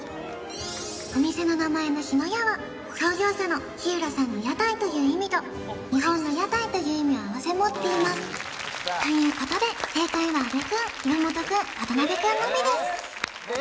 お店の名前の日乃屋は創業者の日浦さんの屋台という意味と日本の屋台という意味を併せ持っていますということで正解は阿部君岩本君渡辺君のみですえっ？